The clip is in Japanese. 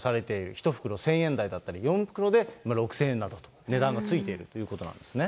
１袋１０００円台だったリ、４袋で６０００円などと、値段がついているということなんですね。